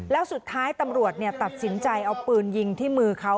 แล้วสุดท้ายตำรวจตัดสินใจเอาปืนยิงที่มือเขา